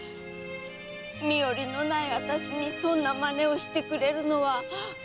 身寄りのないあたしにそんな真似をしてくれるのは。